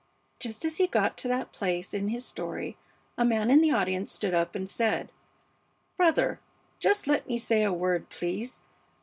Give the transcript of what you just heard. Just as he got to that place in his story a man in the audience stood up and said: 'Brother, just let me say a word, please.